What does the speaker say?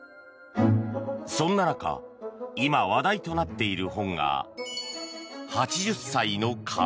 そんな中今話題となっている本が「８０歳の壁」。